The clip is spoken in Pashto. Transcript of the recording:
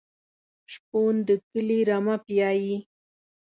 شپون د کلي رمه پیایي.